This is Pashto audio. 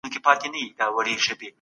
هغه د قانون تطبیق ټولو ته برابر کړ.